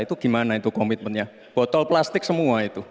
itu gimana itu komitmennya botol plastik semua itu